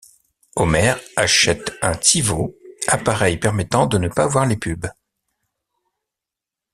Homer achète un TiVo, appareil permettant de ne pas voir les pubs.